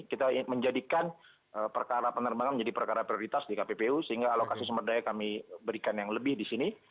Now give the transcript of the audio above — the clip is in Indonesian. kita menjadikan perkara penerbangan menjadi perkara prioritas di kppu sehingga alokasi sumber daya kami berikan yang lebih di sini